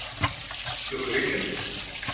Tuker-ikem.